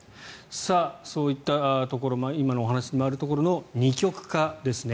そういったところも今のお話にあるところの二極化ですね。